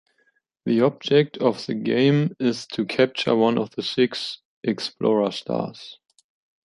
The object of the game is to capture one of the six explorer stars.